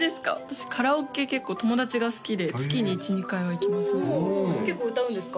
カラオケ結構友達が好きで月に１２回は行きますねほう結構歌うんですか？